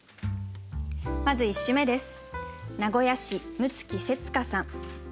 まず１首目です。